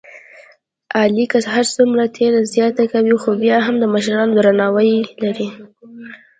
علی که هرڅومره تېره زیاته کوي، خوبیا هم د مشرانو درناوی لري.